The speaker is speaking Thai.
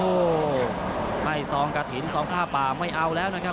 โอ้โหให้ซองกระถิ่นซองผ้าป่าไม่เอาแล้วนะครับ